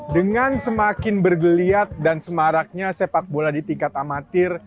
dengan semakin bergeliat dan semaraknya sepak bola di tingkat amatir